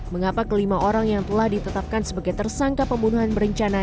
mengapa kelima orang yang telah ditetapkan sebagai tersangka pembunuhan berencana